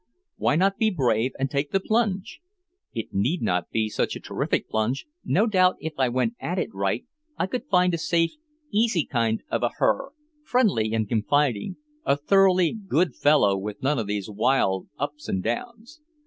Why not be brave and take the plunge? It need not be such a terrific plunge; no doubt if I went at it right I could find a safe, easy kind of a her, friendly and confiding, a thoroughly good fellow with none of these wild ups and downs.